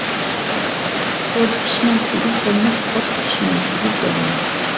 سۇدا پىىشماي كىگىز بولماس، ئوتقا چۈشمەي بىگىز بولماس.